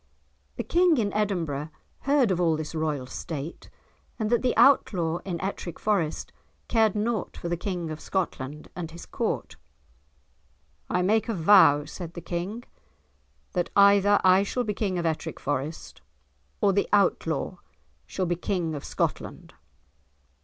The King in Edinburgh heard of all this royal state and that the Outlaw in Ettrick Forest cared nought for the King of Scotland and his court. "I make a vow," said the King, "that either I shall be King of Ettrick Forest, or the Outlaw shall be King of Scotland."